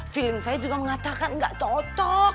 feeling saya juga mengatakan nggak cocok